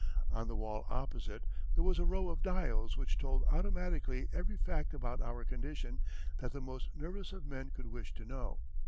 On the wall opposite there was a row of dials which told automatically every fact about our condition that the most nervous of men could wish to know.